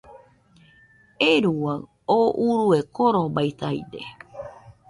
¡Euruaɨ! oo urue korobaisaide